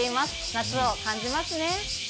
夏を感じますね。